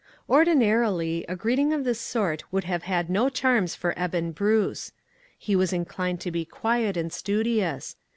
ORDINARILY, a greeting of this sort would have had no charms for Eben Bruce. He was inclined to be quiet and studious.